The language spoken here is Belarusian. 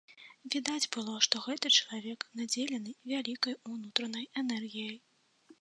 Відаць было, што гэты чалавек надзелены вялікай унутранай энергіяй.